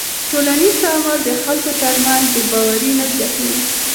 ټولنیز تعامل د خلکو تر منځ بېباوري نه زیاتوي.